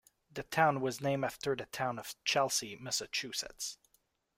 The town was named after the town of Chelsea, Massachusetts.